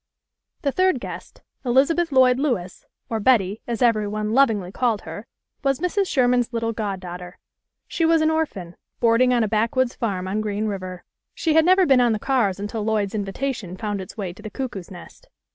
The third guest, Elizabeth Lloyd Lewis, or Betty, as every one lovingly called her, was Mrs. Sherman's little god daughter. She was an orphan, boarding on a backwoods farm on Green River. She had THE MAGIC KETTLE. 1 5 never been on the cars until Lloyd's invitation found its way to the Cuckoo's Nest.